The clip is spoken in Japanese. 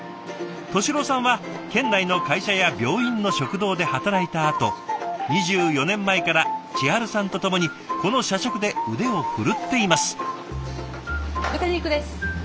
寿郎さんは県内の会社や病院の食堂で働いたあと２４年前から千春さんとともにこの社食で腕を振るっています。